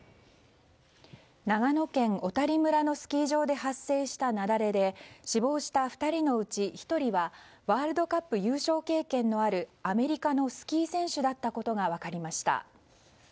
長野県小谷村のスキー場で発生した雪崩で死亡した２人のうち１人はワールドカップ優勝経験のあるアメリカのスキー選手だったことが分かりました。